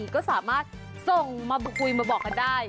ก็สามารถส่งมาคุยมาบอกกันได้